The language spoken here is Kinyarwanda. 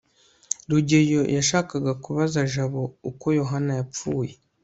rugeyo yashakaga kubaza jabo uko yohana yapfuye